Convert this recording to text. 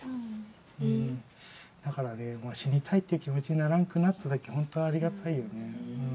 だからね死にたいっていう気持ちにならんくなっただけ本当ありがたいよね。